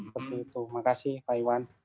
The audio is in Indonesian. begitu makasih pak iwan